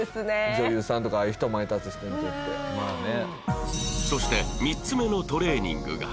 女優さんとかああいう人前に立つ人にとってまあね